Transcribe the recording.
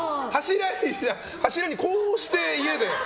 柱に、こうして家で。